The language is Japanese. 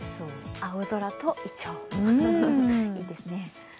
青空といちょう、いいですね。